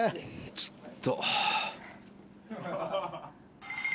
ちょっと。